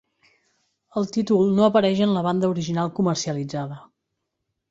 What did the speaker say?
El títol no apareix en la banda original comercialitzada.